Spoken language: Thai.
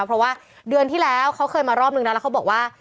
เพราะว่าเดือนที่แล้วเขาเคยมารอบนึงนะแล้วเขาบอกว่า